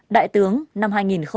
đại tướng năm hai nghìn một mươi hai